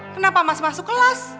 kenapa masih masuk kelas